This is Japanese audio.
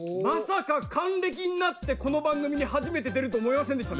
まさか還暦になってこの番組に初めて出ると思いませんでしたね。